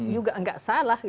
juga tidak salah